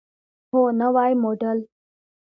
هو، نوی موډل